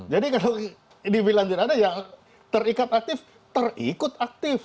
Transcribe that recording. jadi kalau dibilang tidak ada yang terikat aktif terikut aktif